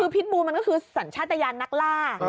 พิษบูมันก็คือสัญชาติยานนักล่า